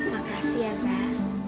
makasih ya sahan